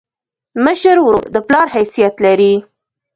مشر ورور د پلار حیثیت لري.